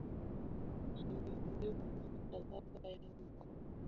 Nimeubeba msalaba wangu.